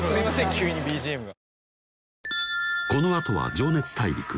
急にＢＧＭが。